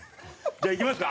じゃあいきますか？